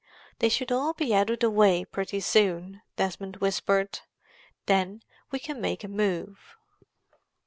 "They should all be out of the way pretty soon," Desmond whispered. "Then we can make a move.